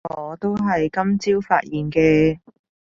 我都係今朝發現嘅